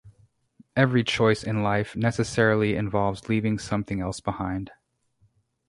Every choice in life necessarily involves leaving something else behind.